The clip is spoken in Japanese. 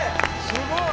すごい！